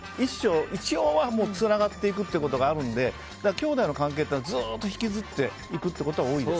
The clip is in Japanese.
一応はつながっていくことがあるのできょうだいの関係っていうのはずっと引きずっていくことが多い。